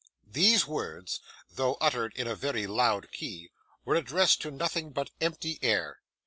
These words, though uttered in a very loud key, were addressed to nothing but empty air.